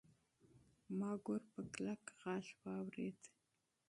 ما ګور په کلک غږ واورېد.